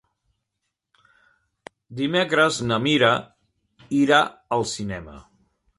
Dimecres na Mira irà al cinema.